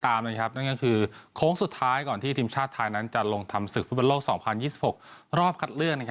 ตามนั่นก็คือโค้งสุดท้ายก่อนที่ทำสึกฟลิประโลกศ์๒๐๒๖รอบคัดเลื่อน